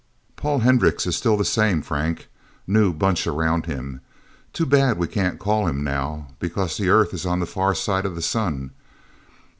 "... Paul Hendricks is still the same, Frank. New bunch around him... Too bad we can't call him, now because the Earth is on the far side of the sun.